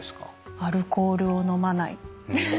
アルコールを飲まない。